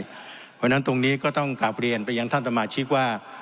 เพราะฉะนั้นตรงนี้ก็ต้องกลับเรียนไปยังท่านสมาชิกว่า